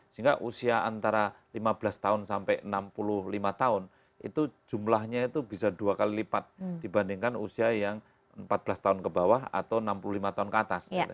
sehingga usia antara lima belas tahun sampai enam puluh lima tahun itu jumlahnya itu bisa dua kali lipat dibandingkan usia yang empat belas tahun ke bawah atau enam puluh lima tahun ke atas